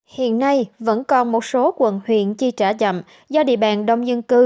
hiện nay vẫn còn một số quận huyện chi trả chậm do địa bàn đông dân cư